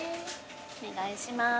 お願いします。